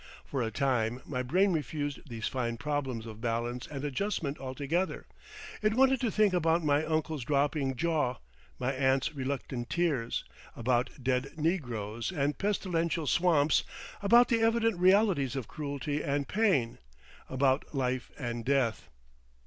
For a time my brain refused these fine problems of balance and adjustment altogether; it wanted to think about my uncle's dropping jaw, my aunt's reluctant tears, about dead negroes and pestilential swamps, about the evident realities of cruelty and pain, about life and death.